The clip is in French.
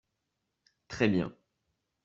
Très bien